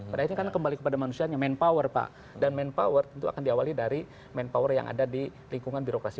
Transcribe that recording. pada akhirnya kan kembali kepada manusianya manpower pak dan manpower tentu akan diawali dari manpower yang ada di lingkungan birokrasi